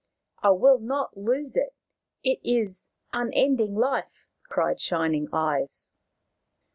" I will not lose it. It is unending life !" cried Shining Eyes.